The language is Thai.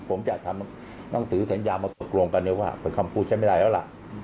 ผมจะทำหนังสือสัญญามาตกลงกันเลยว่าคำพูดใช้ไม่ได้แล้วล่ะ